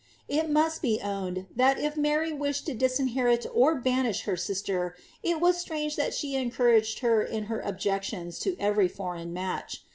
It must be owned, that if Mary wished to disinherit or banish ha sister, it was stnnge that she eniBonraged her in her objections to eveij foreign match.